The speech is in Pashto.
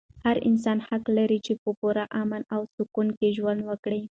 هر انسان حق لري چې په پوره امن او سکون کې ژوند وکړي.